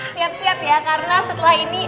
siap siap ya karena setelah ini